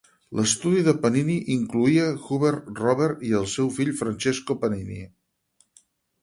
L'estudi de Panini incloïa Hubert Robert i el seu fill Francesco Panini.